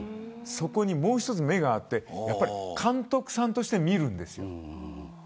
そこにもう一つ目があってやっぱり監督さんとして見るんです。